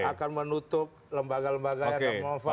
akan menutup lembaga lembaga yang tidak manfaat